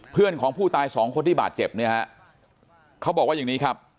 เพื่อนของผู้ตายสองคนที่บาดเจ็บเนี่ยฮะเขาบอกว่าอย่างนี้ครับ